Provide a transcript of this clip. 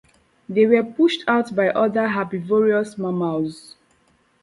They were pushed out by other herbivorous mammals.